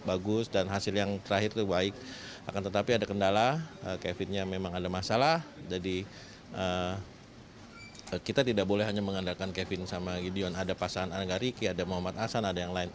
ada riki ada muhammad hasan ada yang lain